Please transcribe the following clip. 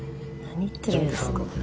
何言ってるんですか？